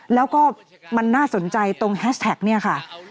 แล้วก็มันน่าสนใจตรงแฮชแท็ก